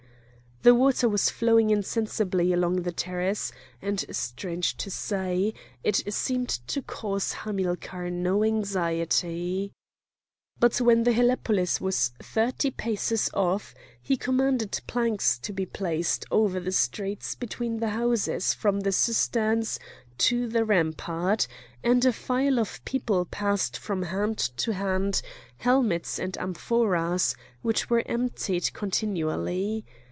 The water was flowing insensibly along the terrace, and strange to say, it seemed to cause Hamilcar no anxiety. But when the helepolis was thirty paces off, he commanded planks to be placed over the streets between the houses from the cisterns to the rampart; and a file of people passed from hand to hand helmets and amphoras, which were emptied continually.